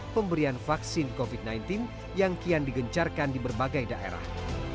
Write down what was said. pemberian vaksin covid sembilan belas yang kian digencarkan di berbagai daerah